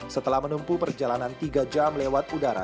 setelah menempuh perjalanan tiga jam lewat udara